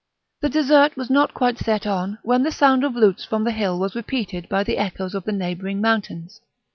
The dessert was not quite set on when the sound of lutes from the hill was repeated by the echoes of the neighbouring mountains.